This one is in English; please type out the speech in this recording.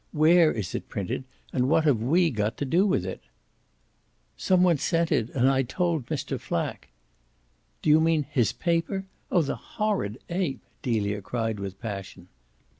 "Where is it printed and what have we got to do with it?" "Some one sent it, and I told Mr. Flack." "Do you mean HIS paper? Oh the horrid ape!" Delia cried with passion.